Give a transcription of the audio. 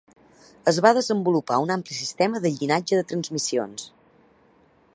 Es va desenvolupar un ampli sistema de llinatge de transmissions.